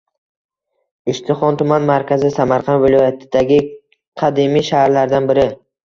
Ishtixon - Tuman markazi, Samarqand viloyatidagi kadimiy shaharlardan biri.